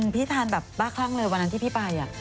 พี่ทานแบบบ้าร่างเรหว่าที่พี่ไป